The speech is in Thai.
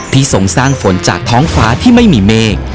ส่งสร้างฝนจากท้องฟ้าที่ไม่มีเมฆ